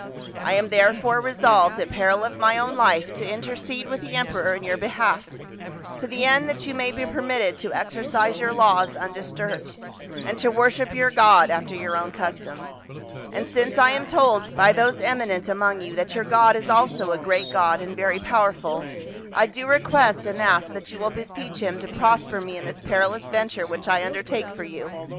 I am therefore resolved, at peril of my own life, to intercede with the emperor in your behalf, to the end that you may be permitted to exercise your laws undisturbed, and to worship your God after your own customs. And since I am told by those emi nent among you that your God is also a great God and very powerful, I do request and ask that you will beseech him to prosper me in this perilous venture which I undertake for you.